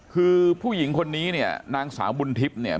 คือผู้หญิงคนนี้เนี่ยนางสาวบุญทิพย์เนี่ย